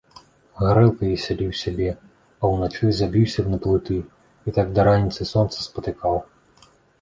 Гарэлкай весяліў сябе, а ўначы заб'юся на плыты і так да раніцы сонца спатыкаў.